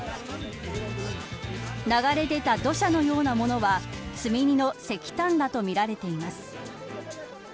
流れ出た土砂のようなものは積み荷の石炭だとみられています。